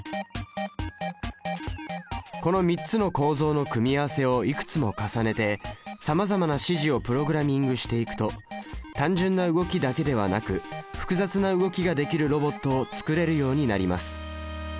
この３つの構造の組み合わせをいくつも重ねてさまざまな指示をプログラミングしていくと単純な動きだけではなく複雑な動きができるロボットを作れるようになります。